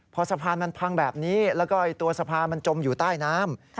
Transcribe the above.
พอสะพานมันพังแบบนี้แล้วก็ตัวสะพานมันจมอยู่ใต้น้ำ